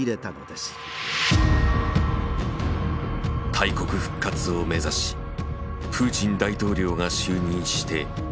大国復活を目指しプーチン大統領が就任して２０年余り。